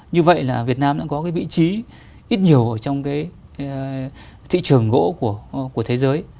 như vậy là việt nam đã có cái vị trí ít nhiều ở trong cái thị trường gỗ của thế giới